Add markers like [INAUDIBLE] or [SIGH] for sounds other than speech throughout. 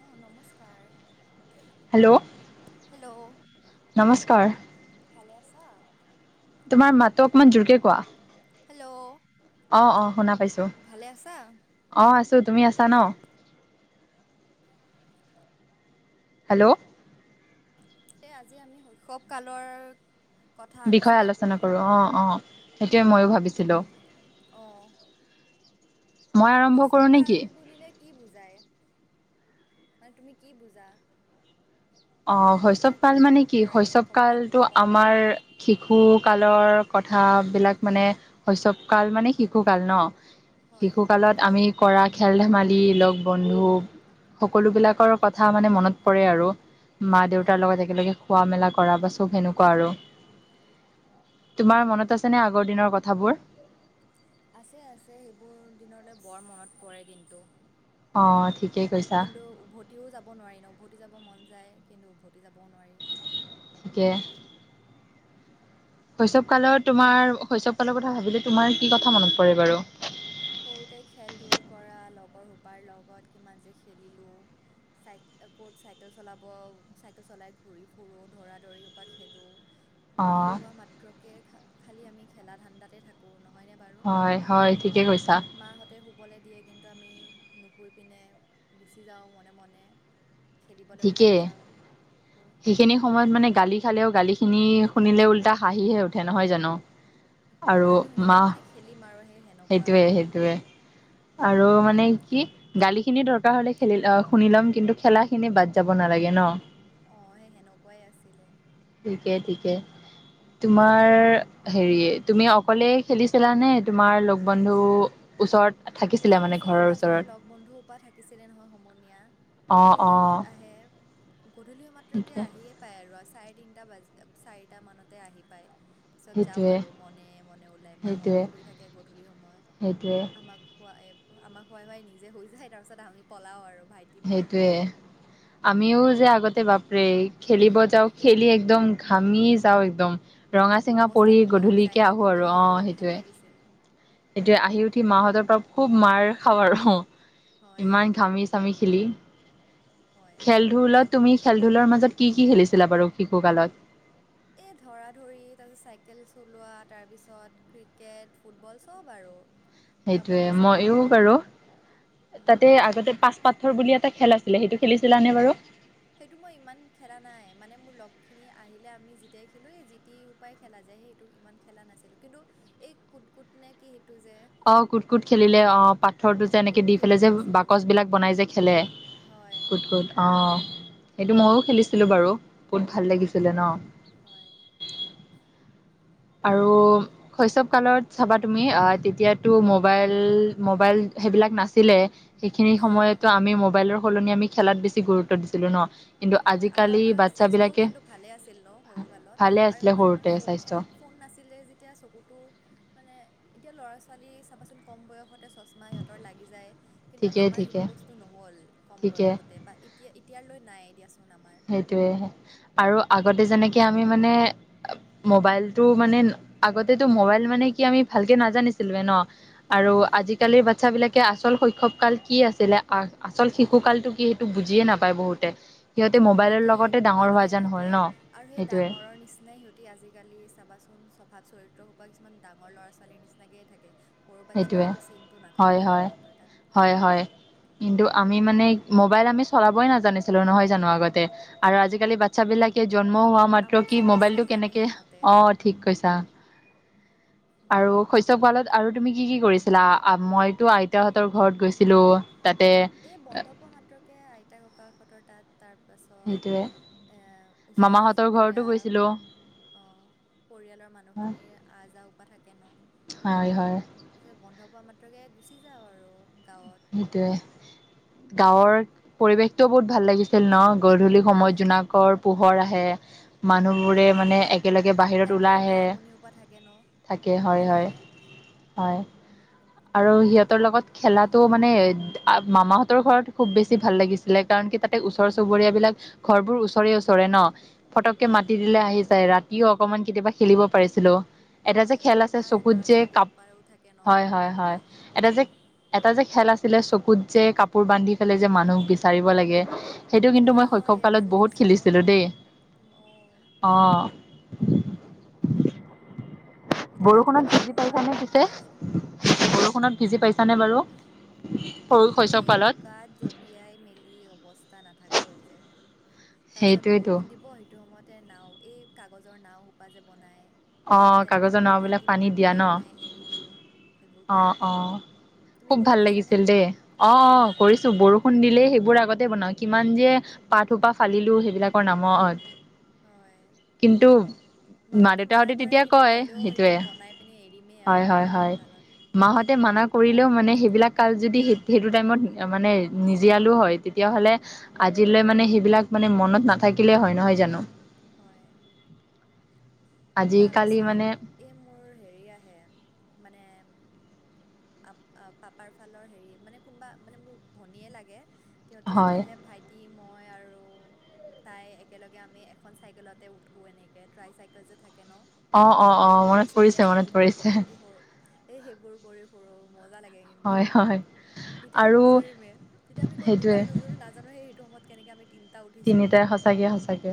অ নমস্কাৰ hello hello, নমস্কাৰ ভালে আছা? তোমাৰ মাতো অকমান জোৰকে কোৱা। হেল্ল' অ অ শুনা পাইছো, ভালে আছা? অ আছো। তুমি আছা ন? হেল্ল' এ আজি আমি শৈশৱ কালৰ কথা বিষয়ে আলোচনা কৰিম। কৰো, অ অ সেইটোয়ে ময়ো ভাবিছিলো। অ মই আৰম্ভ শৈশৱ কৰোঁ নেকি কাল বুলিলে কি বুজায়? মানে তুমি কি বুজা? অ বা শৈশৱ তোমাৰ কাল মানে মনত কি পৰে শৈশৱ কাল বুলি কালতটো ক'লে? আমাৰ শিশু কালৰ কথাবিলাক মানে শৈসৱ কাল মানে শিশুকাল ন, হয়। শিশুকালত আমি কৰা খেল ধেমালি লগ বন্ধু সকলো বিলাকৰ কথা মানে মনত পৰে আৰু, মা দেউতাৰ হয় লগত একেলগে খোৱা মেলা কৰা বা চব সেনেকুৱা আৰু। তোমাৰ মনত আছেনে আগৰ দিনৰ কথাবোৰ? আছে আছে সেইবোৰ দিনলৈ বৰ মনত পৰে কিন্তু। অ' ঠিকেই কৈছা কিন্তু উভতিও যাব নোৱাৰি ন উভতি যাব মন যায় কিন্তু উভতি যাবও নোৱাৰি। ঠিকে শৈসৱ কালৰ তোমাৰ শৈসৱ কালৰ কথা ভাবিলে তোমাৰ কি কথা মনত পৰে বাৰু? সৰুতে খেল ধূল কৰা লগৰ সোপাৰ লগত কিমান যে খেলিলোঁ। চাই ক'ত চাইকেল চলাব চাইকেল চলাই ঘূৰি ফুৰোঁ, ধৰা-ধৰি সোপা খেলোঁ। অ' গধূলি হোৱা মাত্ৰকে খ খালি আমি খেলা ধান্দাতে থাকো নহ। হয় হয় ঠিকে কৈছ। মাহঁতে শুবলৈ দিয়ে কিন্তু আমি নুশুই পিনে গুচি যাওঁ মনে মনে। খেলিবলৈ ওলাই ঠিকেই। যাওঁ। বোৰ সেইখিনি সময়ত মানে গালি খালেও গালিখিনি শুনিলে উল্টা হাঁহিহে উঠে, নহয় জানো? হয় আৰু গালি শুনিলেও মাহ মানে খেলিম আৰু। সেই সেনেকুৱা সেইটোৱে আৰু সেইটোয়ে আৰু মানে কি, গালি খিনি দৰকাৰ হলে খেলি শুনি লম কিন্তু খেলা খিনি বাদ যাব নালাগে ন। অ সেই সেনেকুৱাই আছিলে। ঠিকে ঠিকে, তোমাৰ উম। হেৰি তুমি অকলেই খেলিছিলানে তোমাৰ লগ বন্ধু ওচৰত থাকিছিলে এই মানে ওচৰে ঘৰৰ পাঁজৰে ওচৰত লগ বন্ধুৰপ থাকিছিলে নহয় সমনীয়া। অ এ অ সিহঁত আহে গধূলিও মাত্ৰকে সেইটোৱে আহিয়ে পায় আৰু আ। চাৰে তিনিটা বাজ চাৰিটা মানতে আহি পায়। তাৰপিছত সেইটোৱে যাওঁ আৰু মনে মনে ওলাই, মাহত সেইটোৱে তো শুই থাকে গধূলি সময়ত সেইটোৱে আমাক আমাক শুৱাই শুৱাই নিজে শুই যায় তাৰপিছত আমি পলাও আৰু। ভাইটি মই সেইটোয়ে আমিও যে আগতে বাপৰে খেলিব যাও খেলি একদম ঘামি যাও একদম ৰঙা চিঙা অৱস্থা পঢ়ি নোহোৱা হৈ যায় গধূলিকে ন আহো কিন্তু আৰু অ হ'লেও ভাল সেইটোৱে লাগিছিল এতিয়া আহি উঠি মাহঁতৰ পৰা খুব মাৰ খাওঁ আৰু অ হয় ইমান ঘামি চামি খেলি হয় খেল ধুলত গধ তুমি খেল ধূলৰ মাজত কি কি খেলিছিলা বাৰু শিশু কালত এই ধৰা ধৰি তাৰপিছত চাইকেল চলোৱা তাৰপিছত ক্ৰিকেট ফুটবল চব আৰু সেইটোয়ে কাবাডী মইও চাবাডী বাৰু তাতে উম আগতে পাচ পথৰ বুলি এটা খেল আছিলে সেইটো খেলিছিলা নে বাৰু সেইটো মই ইমান খেলা নাই মানে মোৰ লগ খিনি আহিলে আমি যেতিয়া খেলো এ যি তি সোপাই খেলা যাই সেইটো ইমান খেলা নাছিলো কিন্তু এই কুত কুট নে কি সেইটো যে অ কুট কুট খেলিলে অ অ পাথৰটো যে সেইটো এনেকে দি সেইটো পেললে যে খেলিছিলোঁ বাকচ বিলাক বনাই যে খেলে হয় কুত কুত আহ কি ময়ো খেলিছিলোঁ বাৰু বহুত অ ভাল লাগিছিলে ন হয় আৰু শৈশৱ কালত চাবা তুমি তেতিয়াতো মোবাইল মোবাইল সেইবিলাক নাছিলে সেইখিনি হয় সময়তো আমি মোবাইলৰ সলনি আমি খেলাত বেছি গুৰুত্ব দিছিলো ন কিন্তু আজি হয় আৰু আমাৰ স্বাস্থ্যও কিন্তু ভালে আছিল ন সৰু কালত ভালে আৰু আছিলে মে সৰুতে ফোন স্বাস্থ্য ফোন নাছিল আছিলে যেতিয়া চকুটোৰ মানে এতিয়া ল'ৰা ছোৱালী চাবাচোন কম বয়সতে চচমা সিহঁতৰ লাগি যায় কিন্তু ঠিকে আমাৰ ঠিকে সেইটো বস্তু নহল কম ঠিকে বয়সতে বা এতিয়া এতিয়া লৈ নাই এ দিয়া সেইটোয়ে আৰু আগতে যেনেকে আমি মানে মবাইলটো মানে আগতেটো মবাইল মানে কি আমি ভালকে নাজানিছিলোৱে ন আৰু হয় আজিকালিৰ বাচ্ছা বিলাকে আছে আচল শৈশৱ কাল কি আছিলে আচল শিশু কালটো কি সেইটো বুজিয়ে নাপায় বহুতে সিহঁতে হয় মোবাইলৰ সিহতি লগতে ডাঙৰ হোৱা মবাইলতে যেন হ'ল থাকে ন আৰু সেই সেইটোৱে ডাঙৰৰ নিচিনাই সিহটি আজিকালি চাবা খন স্বভাৱ চৰিত্ৰৰ সোপ পৰা কিছুমান ডাঙৰ ল'ৰা ছোৱালীৰ নিচিনাকয়ে থাকে সৰু বাচ্ছাৰ সেইটোৱে সেইটো চিনটো হয় নাথাকেই ন হয় সিহঁতৰ তাত হয় হয় কিন্তু আমি মানে মোবাইল আমি চলাবই নাজানিছিলো নহয় জানো আগতে আৰু আজিকালি হয়। বাচ্ছা বিলাকে জন্ম হোৱা মাত্ৰ কি আমাতছে মবাইল টো বেছিয়ে জানে কেনেকে সিহঁতে। অ ঠিক কৈছা আৰু উম, শস্য গোৱালত আৰু তুমি কি কি কৰিছিলা মইতো আইতাহঁতৰ ঘৰত গৈছিলো তাতে এই বন্ধ পোৱা মাত্ৰকে আইতা ককাশঁতৰ তাত তাৰ সেইটোয়ে পাছত এ ওচৰৰ মামাহঁতৰ ঘৰতো চুবুৰীয়া গৈছিলো। পৰিয়ালৰ মানুহখিনিৰ আহ যাহ পাহ থাকে হয় হয় তাৰত বন্ধ প মাত্ৰকে গুচি যাও আৰু গাঁৱত সেইটোয়ে গাঁৱৰ পৰিৱেশটোও বহুত ভাল লাগিছিল ন গধূলি সময়ত হয়। জোনাকৰ পোহৰ আহে হয়। মানুহবোৰে মানে একেলগে বাহিৰত ওলাই তাতেও আহে ভাই ভনী সোপা থাকে ন [INAUDIBLE] থাকে হয় ভাল হয় লাগে। হয় আৰু সিহঁতৰ লগত খেলাত তো মানে মামাহঁতৰ ঘৰত খুব বেছি ভাল লাগিছিলে কাৰণ কি তাতে ওচৰ চুবুৰীয়া বিলাক ঘৰবোৰ ওচৰে ওচৰে ন ফটককে হয়। মাতি দিলে আহি যায় ৰাতিও অকনমান কেতিয়াবা খেলিব পাৰিছিলো এটা যে হয় খেল আছে মামাৰ চকুত ল'ৰা যে ছোৱালী কাপ সোপাও থাকে ন মা হয় হয় হয় মাহীৰ এটা যে এটা যে খেল আছিলে চকুত যে কাপোৰ বান্ধি ফেলাই যে মানুহ বিচাৰিব লাগে সেইটো কিন্তু অ মই হয় শৈশৱ কালত ভাল বহুত লাগিছিল ন খেলিছিলোঁ সেইটো দেই অ অ এতিয়া পাতি বৰষুণত পিনে ভিজি আগৰ কথা পাইছানে মনত পিছে পৰি আছে বৰষুণত ভিজি পাইছানে বাৰু সৰু শৈশৱ এই কালত বোকাত জঁপিয়াই মেলি অৱস্থা নাথাকা হৈ যায় তাৰ পিছত সেইটোৱেতো বৰষুণ দিব সেইটো সময়তে নাও এই কাগজৰ নাও সোপা যে বনাই অ', তেনেকে কাগজৰ আমি নাওবিলাক ভাইটি পানীত মই দিয়া ন বনাই পেলে এৰি দিওঁ সেইবোৰ অ কৰোঁ অ তুমি খুব কৰি ভাল পাইছানে? লাগিছিল দেই অ অ হয়। কৰিছো বৰষুণ দিলেই সেইবোৰ আগতে বনাও কিমান যে পাত সোপা ফালিলো সেইবিলাকৰ নামত হয়। [INAUDIBLE] কিন্ত মাহঁতে মানা কৰে কিন্তু হ'লেও সেইটো বনাই পিনি এৰিমেই আৰু বৰষুণকালত মাহতে মানা কৰিলেও মানে সেইবিলাক কাল যদি সেইটো টাইমত মানে আজিলৈ মানে সেইবিলাক মানে মনত নাথাকিলে হয় নহয় জানো হয় আজিকালি মানে তাৰপাছত এই মোৰ হেৰি আহে মানে আ পাপাৰ ফালৰ হেৰি মানে কোনোবা মানে মোৰ ভনীয়ে লাগে সিহঁতে যেতিয়া হয় আহে ভাইটি মই আৰু [UNINTELLIGIBLE] তাই একেলগে আমি এখন চাইকেলতে উঠো এনেকে ট্ৰাই চাইকেল যে থাকে অ', অ', অ', তিনি মনত চকীয়া পৰিছে মনত চাইকেল খন পৰিছে এই এই সেইবোৰ কৰি মজা লাগে কিন্তু হয়, হয়। এতিয়াতো আৰু নুজুৰিমে তেতিয়া আমি ক'ত সেইটোৱে দুটাই নোজোৰো নাজানোহে সেইটো সময়ত কেনেকে আমি উঠিছিলোঁ তিনিটাই সঁচাকে সচাকে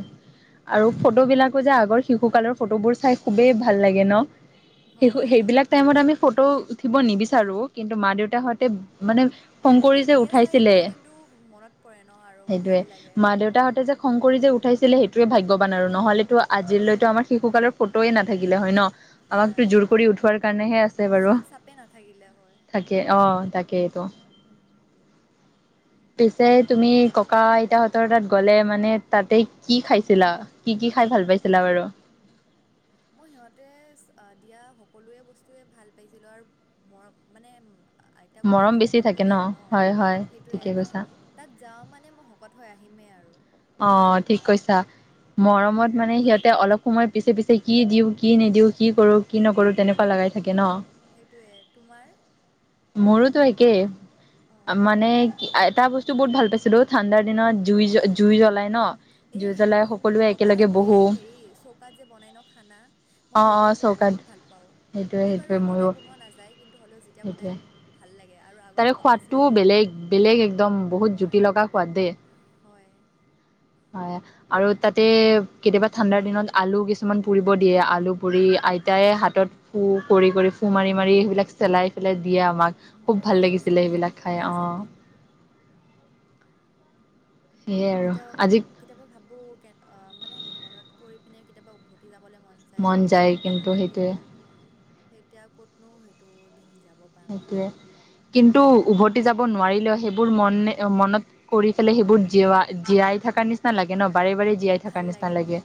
আৰু ফটো বিলাকো যে আগৰ শিশু কালৰ ফটোবোৰ চাই খুবেই ভাল লাগে ন হয় সেইবিলাক টাইমত আমি ফটো উঠিব নিবিচাৰো কিন্তু মা দেউতা সতে মানে খং কৰি কিন্তু যে এতিয়া চাই উঠাইছিলে সেইবোৰ কিন্তু মনত পৰে ন আৰু সেইটোয়ে ভাল লাগে মা কিবা দেউতাহঁতে যে খং কৰি যে উঠাইছিল সেটোয়ে ভাগ্যৱান আৰু নহ'লেতো আজিলৈতো আমাৰ শিশুকালৰ ফটোয়ে নাথাকিলে হয় ন আমাকতো হয় জোৰ কৰি উঠোৱাৰ কাৰণেহে আছে বাৰু চিন চাপে নাথাকিলে হয় [INAUDIBLE] থাকে অহ তাকেটো উম, [INAUDIBLE] পিছে তুমি ককা আইতা তাত গ'লে মানে তাতে কি খাইছিলা কি কি খাই ভাল পাইছিলা বাৰু [INAUDIBLE] মই সিহঁতে দিয়া সকলোএ বস্তুএ ভাল পাইছিলো আৰু মৰম মানে আইতা ককাহঁতৰ বেছি মৰম থাকে বেলেগ ন হয় হয় সেইটোয়ে ঠিকে মানে কৈছা। তাত যাওঁ মানে মানে মই শকত হৈ আহিমেই আৰু অ ঠিক সেনেকুৱা কৈছা মৰমত মানে তোমাৰ সিহঁতে অলপ সময় পিছে পিছে কি দিওঁ কি নিদিওঁ কি কৰোঁ কি নকৰোঁ তেনেকুৱা লগাই থাকে ন সেইটোৱে তোমাৰ মোৰোতো অ'। মানে কি এটা বস্তু বহুত ভাল পাইছিলো ঠাণ্ডাৰ দিনত জুই জুই জ্বলাই ন এ জুই সেইটো জ্বলাই কিন্তু সকলোৱে নকবা একেলগে আৰু মই বহো। এই হেৰি চৌকাত যে বনাই ন খানা মই অ' সেইটো অ' কিন্তু চৌকাত বহুত ভাল পাওঁ সেইটোৱে সেইবোৰ সেইটোৱে বাৰু ময়ো সদায় বনোৱা নাযায় কিন্তু হ'লেও যেতিয়া সেইটোৱে। বনাই ভাল লাগে আৰু আগত তাৰে বনাইছিলে সোৱাদটোও ন। বেলেগ বেলেগ একদম বহুত হয়, জুটি লগা সোৱাদ দেই হয় হয় আৰু তাতে কেতিয়াবা ঠাণ্ডাৰ দিনত আলু কিছুমান পুৰিব দিয়ে আলু পুৰি আ তাই হাতত ফু কৰি কৰি ফো মাৰি মাৰি সেইবিলাক চেলাই পেলাই দিয়ে আমাক খুব ভাল মজা লাগিছিল লাগিছিলে সেইবিলাক কিন্তু খাই সেই অ চব দিন সেয়ে আৰু এতিয়াও আজি কেতিয়াবা ভাবো কে অ মানে মনত কৰি পিনে কেতিয়াবা উভতি যাব মন যায় শৈশৱ কাল কিন্তু ইতিয়া ক'তনো স সেইটোৱে কিন্তু উভতি যাব যাব নোৱাৰিলেও সেইবোৰ মন এ মনত কৰি পেলাই সেইবোৰ জীয়াই থকা নিচিনা লাগে ন বাৰে বাৰে জীয়াই ভাল থকাৰ নিচিনা ন লাগে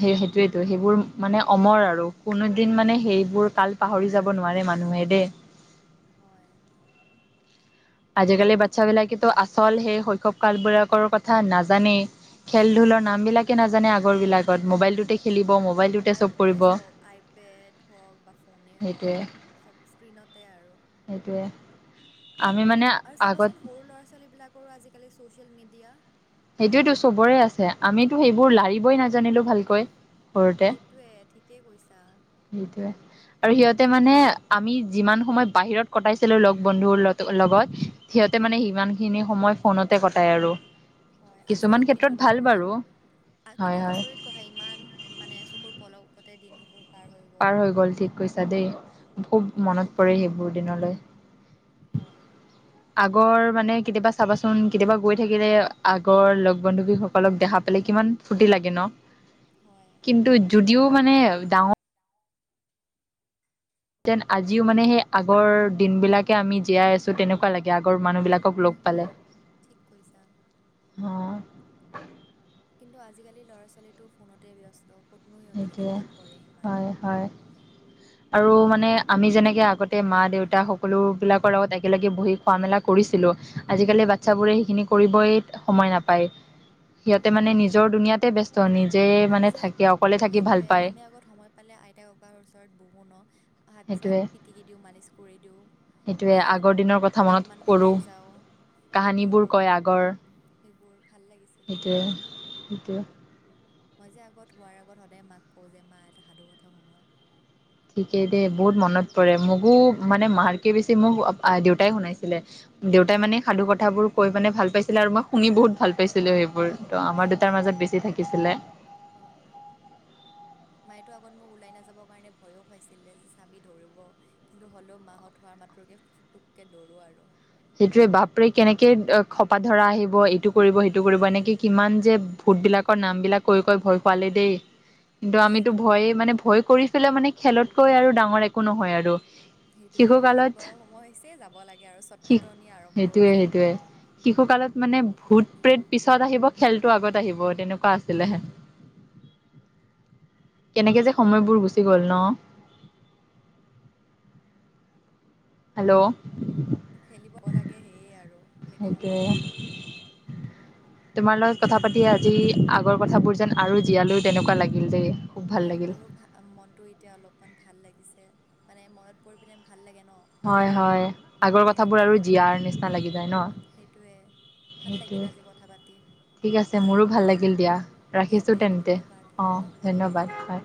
সেই যেতো সেইবোৰ মানে অমৰ আৰু কোনোদিন মানে সেইবোৰ কাল পাহৰি যাব নোৱাৰে মানুহে দেই হয় আজিকালি বাচ্ছাবলাকেটো আচল সেই শৈশৱ কাল বিলাকৰ কথা নাজানেই খেল ধূলৰ হয়। নাম বিলাকে নাজানে আগৰ বিলাকত মোবাইলটোতে খেলিব চব মোবাইলটোতে কৰিব সব আইপেড হওক বা ফোনে সেইটোৱে হওক চব স্ক্ৰীণতে আৰু অ আৰু চাবাচোন সৰু ল'ৰা ছোৱালীবিলাকৰো আজিকালি ছ'চিয়েল মিডিয়া সেইটোয়তো চবৰে আছে আমিতো সেইবোৰ লাৰিবই নাজানিলো ভালকৈ সেইটয়ে ঠিকেই কৈছা সেইটয়ে আৰু সিহঁতে মানে আমি যিমান সময় বাহিৰত কটাইছিলো লগ বন্ধুৰ লগ লগত সিহতে মানে সিমান খিনি সময় ফোনতে কটাই আৰু হয় কিছুমান আচৰিত কিন্তু ক্ষেত্ৰত ন ভাল বাৰু কিমান কিন্তু হয় হয় আচৰিত কথা ইমান মানে চকুৰ পলকতে দিনবোৰ পাৰ হৈ গ'ল ঠিক কৈছা দেই খুব মনত উম, পৰে সেইবোৰ দিনলৈ হয় আগৰ মানে কেতিয়াবা চাবাচোন কেতিয়াবা গৈ থাকিলে আগৰ লগ বান্ধৱীসকলক দেখা পালে কি ইমান ফূৰ্তি লাগে ন হয়। কিন্তু যদিও মানে ডাঙৰ যেন আজিও মানে সেই আগৰ দিন বিলাকে আমি জীয়াই আছো তেনেকুৱা লাগে আগৰ মানুহ বিলাক কক লগ পালে হয়, ঠিক কৈছা। কিন্তু আজিকালি ল'ৰা ছোৱালীটো ফোনতে ব্যস্ত ক'তনো সিহঁতি খেল ধূল কৰে [UNINTELLIGIBLE] ইমান। হয় হয় আৰু মানে আমি যেনেকে আগতে তে মা দেউতা সকলো বিলাকৰ লগত একেলগে বহি খোৱা মেলা কৰিছিলো আজিকালি বাচ্ছাবোৰে সেইখিনি কৰিবই সময় নাপায় সিহঁতে মানে হয়, নিজৰ দুুনীয়াতে ব্যস্ত নিজে মানে থাকে অকলে থাকি ভাল সেইটোয়ে পায় আমি আগত সময় পালে আইতা ককাৰ ওচৰত বহো ন হাত সেইটোৱে চাত পিটিকি দিওঁ মালিচ কৰি দিওঁ সেইটোৱে বা আগৰ দিনৰ কথা মনত অলপমান কৰো ওলাই যাওঁ কাহানী সেইবোৰ বোৰ কৰোঁ কয় আগৰ সেইবোৰ ভাল লাগিছিল [UNINTELLIGIBLE] মই যে আগত হোৱাৰ আগত সদায় মাক কওঁ যে মা এটা সাধু কথা শুনোৱা ঠিকেই দেই বহুত মনত পৰে মোকো মানে মাৰকে বেছি মোক দেউতাই শুনাইছিলে দেউতাই মানে অ', সাধু কথাবোৰ কৈ মানে ভাল পাইছিলে আৰু মই শুনি বহুত ভাল পাইছিলো সেইবোৰ ত আমাৰ দেউতাৰ মাজত বেছি থাকিছিলে। অ'। মায়েতো আগত মোক ওলাই নাযাবৰ কাৰণে ভয়ো খাইছিলে যে চাবি ধৰিব কিন্তু হ'লেও মাহত হোৱাৰ মাত্ৰ ফতককে ফুটুককে দৌৰো আৰু। সেইটোোৱে বাপৰে কেনেকে খপা ধৰা আহিব এইটো কৰিব সেইটো কৰিব এনেকে কিমান যে ফুডবিলাকৰ নামবিলাক কৈ কৈ ভয় খুৱালি দেই। কিন্তু আমিতো সঁচাকে। ভয়ে মানে ভয় কৰি ফেলে মানে খেলতকৈ আৰু ডাঙৰ এক সেইটোৱে খেলিব সময় হৈছে যাব লাগে আৰু চত শিখ সেইটোৱে সেইটোৱে শিশু কালত মানে ভূত প্ৰেত পিছত আহিব খেলতো আগত আহিব তেনেকুৱা আছিলে হেন কেনেকে যে সময়বোৰ গুচি গ'ল ন। [UNINTELLIGIBLE] হেল্ল' খেলিবাব লাগে সেয়ে আৰু সেইটো সময়ত। সেইটোৱে। তোমাৰ লগত কথা পাতি আজি আগৰ কথাবোৰ যেন আৰু জীয়ালো তেনেকুৱা লাগিল দেই। খুব ভাল হয় লাগিল মোৰো মনটো এতিয়া অলপমান ভাল লাগিছে মানে মনত পৰি পিনে ভাল লাগে। ন' হয় হয় আগৰ দিয়া কথাবোৰ তে আৰু জীয়াৰ নিচিনা লাগি যায় ন। সেইটোৱে ভাল লাগিল আজি কথা পাতি। সেইটোৱে ঠিক আছে মোৰো ভাল লাগিল দিয়া। দিয়া ৰাখিছোঁ তে তেন্তে ধন্যবাদ অঁ ধন্যবাদ হয়।